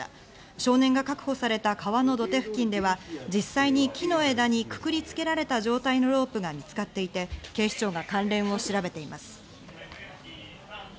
少年が確保された川の土手付近には実際に木の枝にくくりつけられた状態のロープが見つかっていて、警視庁が関連を調べています。